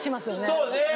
そうね。